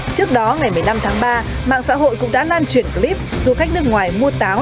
trước đó ngày một mươi năm tháng ba mạng xã hội cũng đã lan truyền clip du khách nước ngoài mua táo